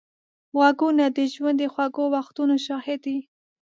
غوږونه د ژوند د خوږو وختونو شاهد دي